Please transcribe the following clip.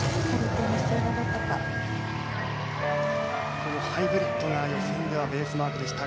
このハイブリッドが予選ではベースマークでした。